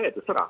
ya itu serah